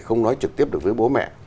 không nói trực tiếp được với bố mẹ